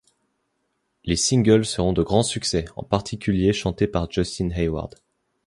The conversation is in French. Les singles seront de grands succès, en particulier ' chanté par Justin Hayward.